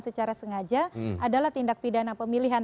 secara sengaja adalah tindak pidana pemilihan